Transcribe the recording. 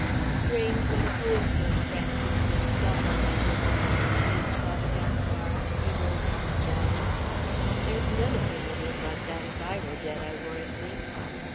"Strange what a hold those Franciscans got on these Indians!" mused Father Gaspara, as he rode down the valley. "There's none of them would look like that if I were dead, I warrant me!